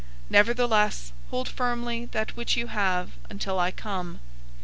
002:025 Nevertheless, hold firmly that which you have, until I come.